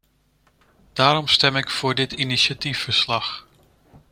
Daarom stem ik voor dit initiatiefverslag.